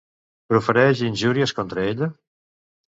Profereix injúries contra ella?